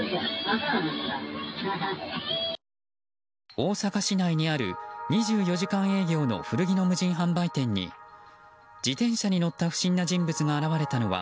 大阪市内にある２４時間営業の古着の無人販売店に自転車に乗った不審な人物が現れたのは